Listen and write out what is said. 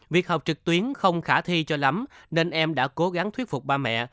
việc học trực tuyến không khả thi cho lắm nên em đã cố gắng thuyết phục ba mẹ